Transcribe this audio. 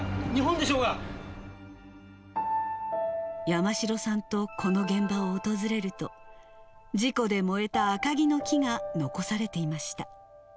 山城さんとこの現場を訪れると、事故で燃えたアカギの木が残されていました。